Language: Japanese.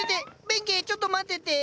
弁慶ちょっと待ってて！